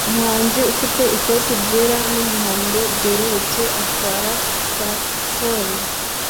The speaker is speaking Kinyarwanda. Umuhinzi ufite ikoti ryera ry'umuhondo ryerurutse atwara traktori